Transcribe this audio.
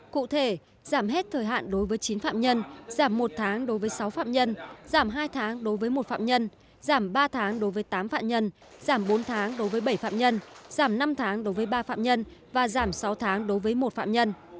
cụ thể giảm hết thời hạn đối với chín phạm nhân giảm một tháng đối với sáu phạm nhân giảm hai tháng đối với một phạm nhân giảm ba tháng đối với tám phạm nhân giảm bốn tháng đối với bảy phạm nhân giảm năm tháng đối với ba phạm nhân và giảm sáu tháng đối với một phạm nhân